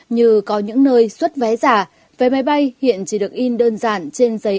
như có những nơi xuất vé giả vé máy bay hiện chỉ được in đơn giản trên giấy